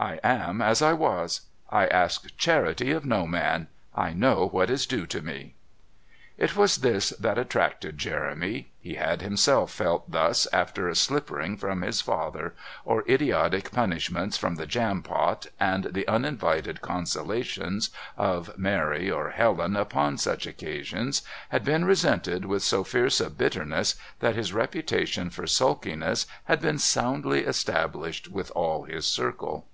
I am as I was. I ask charity of no man. I know what is due to me." It was this that attracted Jeremy; he had himself felt thus after a slippering from his father, or idiotic punishments from the Jampot, and the uninvited consolations of Mary or Helen upon such occasions had been resented with so fierce a bitterness that his reputation for sulkiness had been soundly established with all his circle.